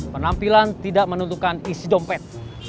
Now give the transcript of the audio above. penampilan tidak menentukan isi dompet